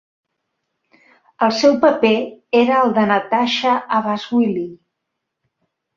El seu paper era el de Natasha Abashwilli.